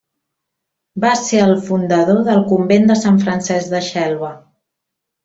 Va ser el fundador del Convent de Sant Francesc de Xelva.